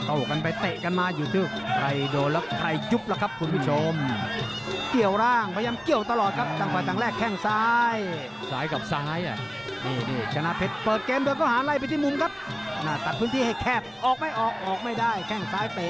เข้ากันไปเตะกันมาอยู่ที่ใครโดนแล้วใครจุ๊บล่ะครับคุณผู้ชมเกี่ยวร่างพยายามเกี่ยวตลอดครับจังหวะจังแรกแค่งซ้าย